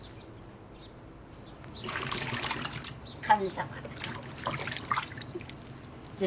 神様。